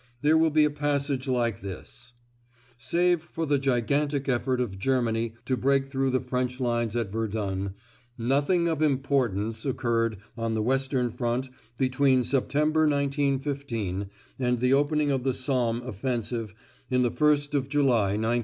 There will be a passage like this: "Save for the gigantic effort of Germany to break through the French lines at Verdun, nothing of importance occurred on the western front between September, 1915, and the opening of the Somme offensive on the 1st of July, 1916."